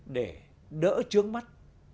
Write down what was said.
để đỡ trướng mắt